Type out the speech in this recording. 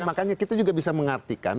makanya kita juga bisa mengartikan